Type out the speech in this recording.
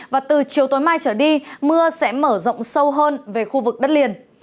và từ chiều tối mai trở đi mưa sẽ mở rộng sâu hơn về khu vực đất liền